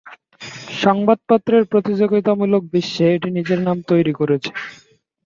সংবাদপত্রের প্রতিযোগিতামূলক বিশ্বে এটি নিজের নাম তৈরি করেছে।